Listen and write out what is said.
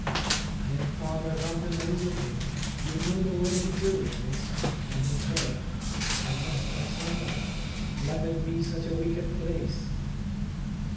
Then father rub the nose of him, you know the way he do it, Miss, and he say, "I must have some one. London be such a wicked place."